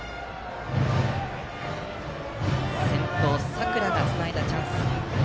先頭、佐倉がつないだチャンス。